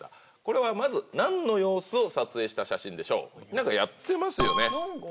何かやってますよね。